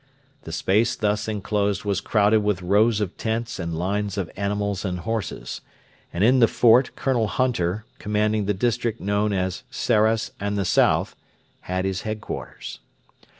The space thus enclosed was crowded with rows of tents and lines of animals and horses; and in the fort Colonel Hunter, commanding the district known as 'Sarras and the South,' had his headquarters.